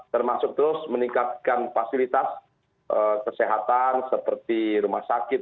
termasuk terus meningkatkan fasilitas kesehatan seperti rumah sakit